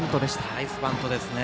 ナイスバントですね。